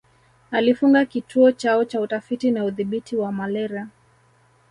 Alifunga Kituo chao cha Utafiti na Udhibiti wa malaria